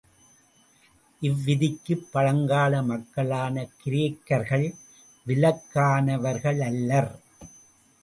இவ்விதிக்குப் பழங்கால மக்களான கிரேக்கர்கள் விலக்கானவர்களல்லர்.